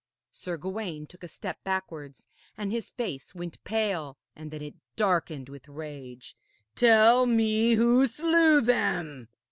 Sir Gawaine took a step backwards and his face went pale and then it darkened with rage. 'Tell me who slew them?'